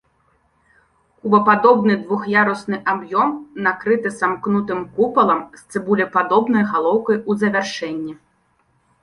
Кубападобны двух'ярусны аб'ём накрыты самкнутым купалам з цыбулепадобнай галоўкай у завяршэнні.